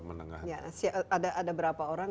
menengah ada berapa orang